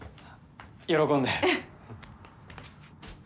喜んで。